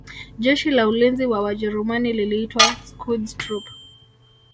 Jeshi la Ulinzi wa Wajerumani liliitwa Schutztruppe